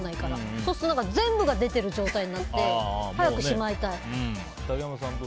そうすると全部が出てる状態になって早くしまいたい。